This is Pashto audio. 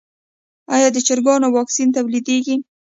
آیا د چرګانو واکسین تولیدیږي؟